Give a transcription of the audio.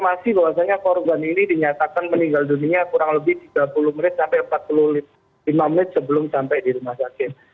informasi bahwasannya korban ini dinyatakan meninggal dunia kurang lebih tiga puluh menit sampai empat puluh lima menit sebelum sampai di rumah sakit